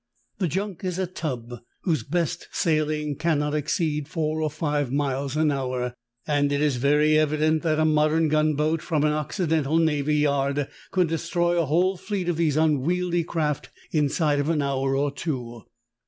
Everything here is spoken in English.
The junk is a tub whose best sailing cannot exceed four or five miles an hour, and it is very evident that a modern gunboat from an occidental navy yard could destroy a whole fleet of these unwieldy craft inside of an hour or two.